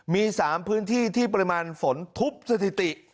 มี๓พื้นที่ที่ปริมาณฝนทุบสถิติ